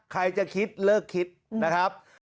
ใครจะคิดเลิกคิดนะครับ